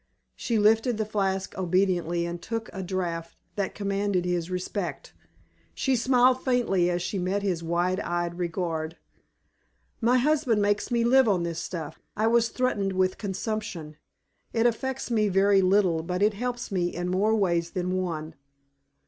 She lifted the flask obediently and took a draught that commanded his respect. She smiled faintly as she met his wide eyed regard. "My husband makes me live on this stuff. I was threatened with consumption. It affects me very little, but it helps me in more ways than one."